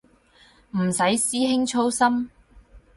唔使師兄操心